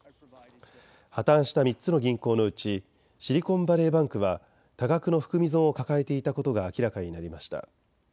破綻した３つの銀行のうちシリコンバレーバンクは多額の含み損を抱えていたことが明らかになりました。